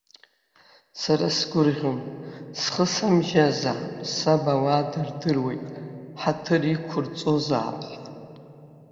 Сара сгәырӷьон, схы самжьазаап, саб ауаа дырдыруеит, ҳаҭыр иқәырҵозаап ҳәа.